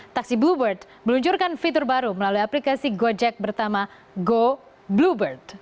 taksi bluebird meluncurkan fitur baru melalui aplikasi gojek bertama go bluebird